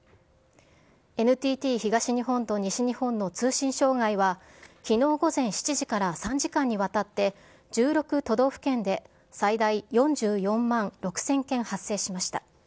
ＮＴＴ東日本と西日本の通信障害は、きのう午前７時から３時間にわたって、１６都道府県で、最大４４万６０００件発生しました。